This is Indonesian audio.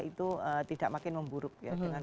itu tidak makin memburuk ya dengan